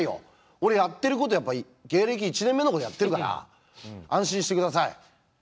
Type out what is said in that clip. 俺やってることやっぱ芸歴１年目のことやってるから安心して下さい。